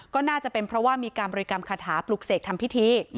ก็น่าจะเป็นเพราะว่ามีการบริกรรมคาถาปลุกเสกทำพิธี